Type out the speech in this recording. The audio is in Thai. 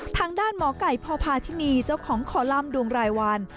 ทางด้านหมอไก่พพาธินีเจ้าของคอลัมป์ดวงรายวัน